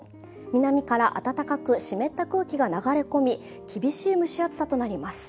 南から暖かく湿った空気が流れ込み、厳しい暑さとなります。